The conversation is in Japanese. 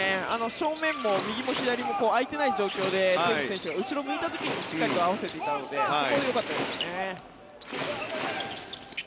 正面も右も左も空いていない状況でテーブス選手が後ろを向いた時にしっかりと合わせていたのでよかったですね。